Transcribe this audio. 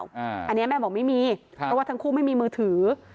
อันนี้แม่บอกไม่มีเพราะว่าทั้งคู่ไม่มีมือถือ